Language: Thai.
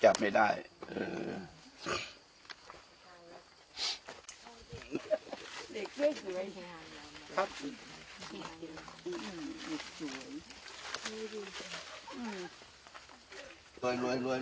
จากฝั่งภูมิธรรมฝั่งภูมิธรรม